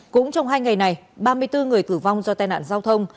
cũng trong hai ngày này ba mươi bốn người tử vong do tai nạn giao thông